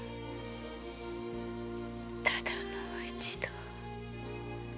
ただもう一度。